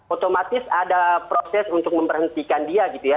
otomatis ada proses untuk memberhentikan dia gitu ya